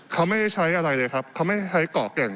เขาไม่ใช้อะไรเลยครับเขาไม่ใช้เกาะแก่ง